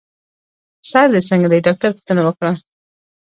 سر دي څنګه دی؟ ډاکټر پوښتنه وکړه.